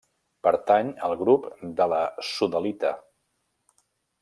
Pertany al grup de la sodalita.